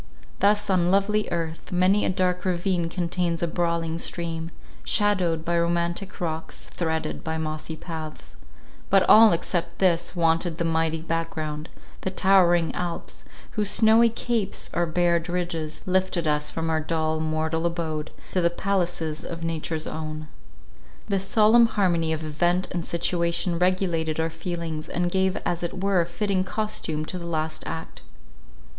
Thus on lovely earth, many a dark ravine contains a brawling stream, shadowed by romantic rocks, threaded by mossy paths—but all, except this, wanted the mighty back ground, the towering Alps, whose snowy capes, or bared ridges, lifted us from our dull mortal abode, to the palaces of Nature's own. This solemn harmony of event and situation regulated our feelings, and gave as it were fitting costume to our last act.